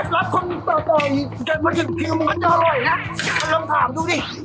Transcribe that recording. รับคนต่ออยู่ก็จะอร่อยนะลองถามดูดิ